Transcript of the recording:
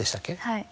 はい。